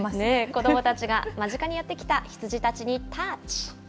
子どもたちが間近にやって来た羊たちにタッチ。